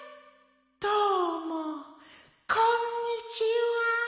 どうもこんにちは」。